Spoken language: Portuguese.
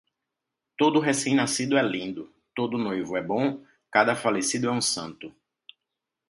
Todo recém-nascido é lindo, todo noivo é bom, cada falecido é um santo.